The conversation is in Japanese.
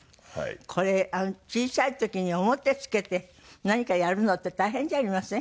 これ小さい時に面つけて何かやるのって大変じゃありません？